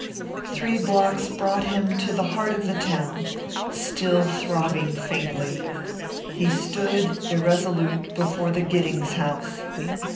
Three blocks brought him to the heart of the town, still throbbing faintly. He stood, irresolute, before the Giddings House.